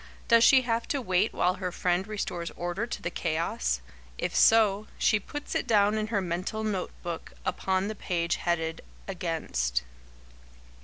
Does she have to wait while her friend restores order to the chaos? If so, she puts it down in her mental note book, upon the page headed "Against."